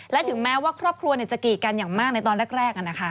และถึงแม้ว่าครอบครัวจะกีดกันอย่างมากในตอนแรก